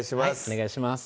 お願いします